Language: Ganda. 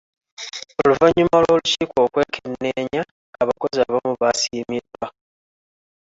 Oluvannyuma lw'olukiiko okwekenneenya, abakozi abamu baasiimiddwa.